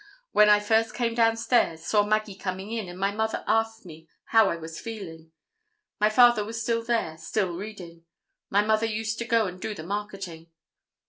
When I first came down stairs saw Maggie coming in, and my mother asked me how I was feeling. My father was still there, still reading. My mother used to go and do the marketing."